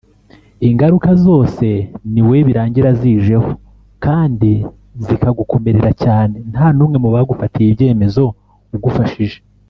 Ingaruka zose ni wowe birangira zijeho kandi zikagukomerera cyane nta n’umwe mu bagufatiye ibyemezo ugufashije